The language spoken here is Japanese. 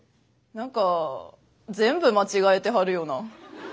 何か全部間違えてはるよな。